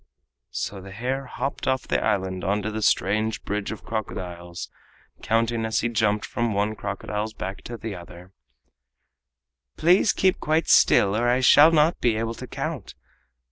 So the hare hopped off the island on to the strange bridge of crocodiles, counting as he jumped from one crocodile's back to the other: "Please keep quite still, or I shall not be able to count.